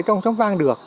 trong xóm vang được